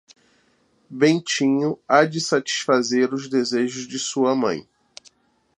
Bentinho há de satisfazer os desejos de sua mãe.